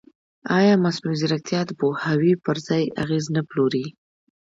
ایا مصنوعي ځیرکتیا د پوهاوي پر ځای اغېز نه پلوري؟